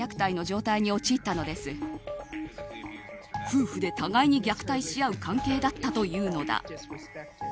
夫婦で互いに虐待し合う関係だったというのだ。